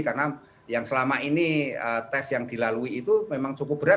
karena yang selama ini tes yang dilalui itu memang cukup berat